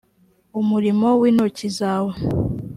umurimo w intoki zawe